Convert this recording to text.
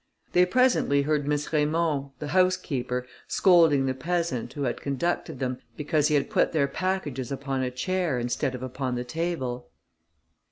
They presently heard Miss Raymond, the housekeeper, scolding the peasant, who had conducted them, because, he had put their packages upon a chair instead of upon the table.